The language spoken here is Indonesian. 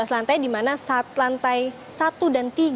dua belas lantai dimana lantai satu dan tiga